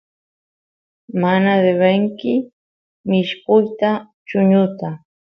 mana debenki mishpuyta chuñuta